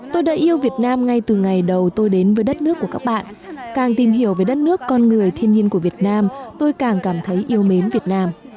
tôi đã yêu việt nam ngay từ ngày đầu tôi đến với đất nước của các bạn càng tìm hiểu về đất nước con người thiên nhiên của việt nam tôi càng cảm thấy yêu mến việt nam